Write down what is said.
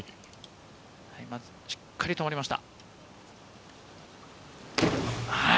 まずしっかりと止まりました。